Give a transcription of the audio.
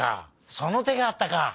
そのてがあったか！